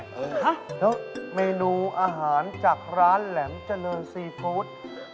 ฮะแล้วเมนูอาหารจากร้านแหลมเจริญซีฟู้ด